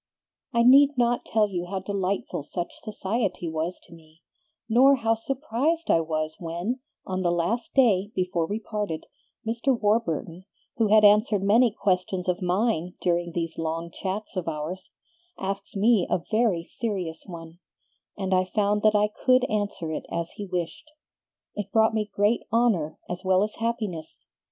"I need not tell you how delightful such society was to me, nor how surprised I was when, on the last day before we parted, Mr. Warburton, who had answered many questions of mine during these long chats of ours, asked me a very serious one, and I found that I could answer it as he wished. It brought me great honor as well as happiness.